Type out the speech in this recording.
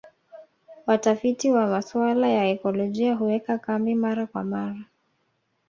Watafiti wa masuala ya ekolojia huweka kambi mara kwa mara